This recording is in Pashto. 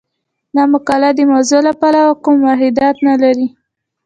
دغه مقالې د موضوع له پلوه کوم وحدت نه لري.